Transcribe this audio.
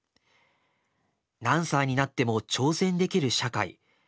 何歳になっても挑戦できる社会。